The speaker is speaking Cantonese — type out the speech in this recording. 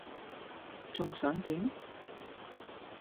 仲想點?